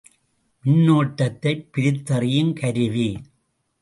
மின்னோட்டத்தைப் பிரித்தறியும் கருவி.